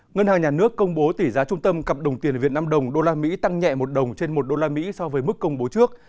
ngân hàng nhà nước công bố tỷ giá trung tâm cặp đồng tiền việt nam đồng usd tăng nhẹ một đồng trên một usd so với mức công bố trước